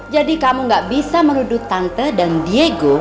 jadi kamu gak bisa menuduh tante dan diego